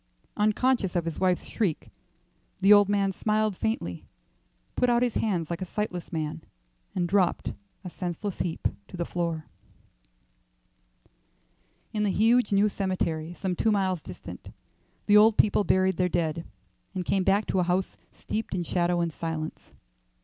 Unconscious of his wife's shriek, the old man smiled faintly, put out his hands like a sightless man, and dropped, a senseless heap, to the floor. III. In the huge new cemetery, some two miles distant, the old people buried their dead, and came back to a house steeped in shadow and silence.